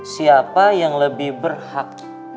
siapa yang lebih berhak